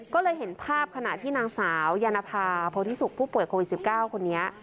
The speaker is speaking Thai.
ก็เลยเห็นภาพขณะที่นางสาวยานภาโพธิสุกผู้ป่วยโควิด๑๙คนนี้